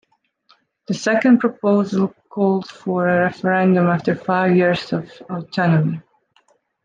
The second proposal called for a referendum after five years of autonomy.